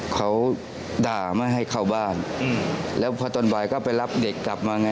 เขาด่าไม่ให้เข้าบ้านแล้วพอตอนบ่ายก็ไปรับเด็กกลับมาไง